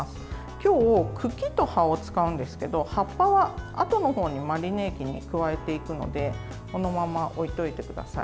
今日、茎と葉を使うんですけど葉っぱは、あとのほうにマリネ液に加えていくのでこのまま置いておいてください。